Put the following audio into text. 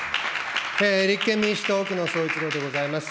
立憲民主党、奥野総一郎でございます。